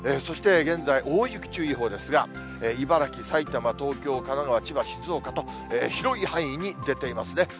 そして現在、大雪注意報ですが、茨城、さいたま、東京、神奈川、千葉、静岡と、広い範囲に出ていますね。